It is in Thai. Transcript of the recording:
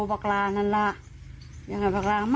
แม่เขาร้องให้แล้วก็หัวเราะด้วย